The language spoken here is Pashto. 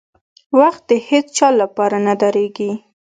• وخت د هیڅ چا لپاره نه درېږي.